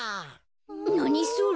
なにそれ。